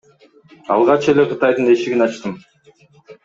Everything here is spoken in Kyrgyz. Алгач эле Кытайдын эшигин ачтым.